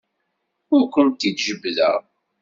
Ur kent-id-jebbdeɣ.